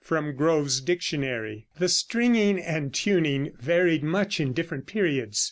(From Grove's Dictionary.)] The stringing and tuning varied much in different periods.